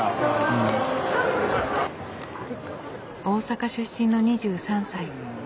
大阪出身の２３歳。